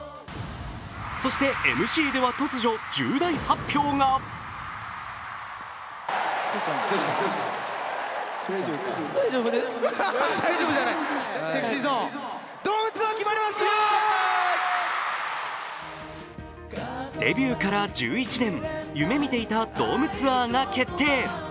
そして、ＭＣでは突如、重大発表がデビューから１１年、夢見ていたドームツアーが決定。